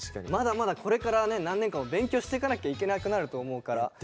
まだまだこれからね何年間も勉強していかなきゃいけなくなると思うから。